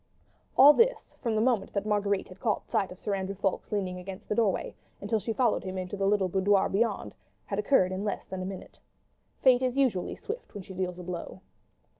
All this, from the moment that Marguerite had caught sight of Sir Andrew leaning against the doorway, until she followed him into the little boudoir beyond, had occurred in less than a minute. Fate is usually swift when she deals a blow.